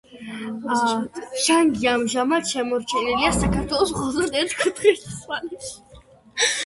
ჩანგი ამჟამად შემორჩენილია საქართველოს მხოლოდ ერთ კუთხეში, სვანეთში.